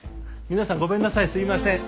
皆さんごめんなさいすいません。